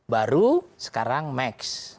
baru sekarang max